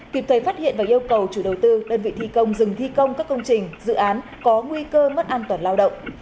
kịp thời phát hiện và yêu cầu chủ đầu tư đơn vị thi công dừng thi công các công trình dự án có nguy cơ mất an toàn lao động